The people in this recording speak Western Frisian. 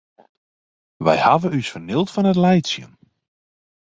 Wy hawwe ús fernield fan it laitsjen.